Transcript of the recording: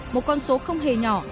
một con số không hề nhỏ